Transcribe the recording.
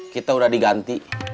kita udah diganti